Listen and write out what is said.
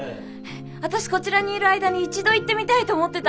私こちらにいる間に一度行ってみたいと思ってたんです。